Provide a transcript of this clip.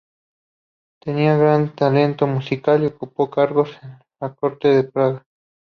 Tenía gran talento musical, y ocupó cargos en la corte de Praga.